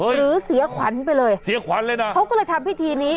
หรือเสียขวัญไปเลยเสียขวัญเลยนะเขาก็เลยทำพิธีนี้